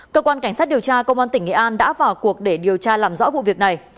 cơ quan cảnh sát điều tra công an tỉnh nghệ an đã vào cuộc để điều tra làm rõ vụ việc này